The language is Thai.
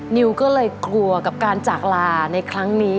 นิวก็เลยกลัวกับการจากลาในครั้งนี้